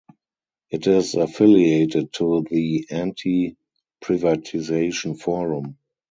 It is affiliated to the Anti-Privatisation Forum.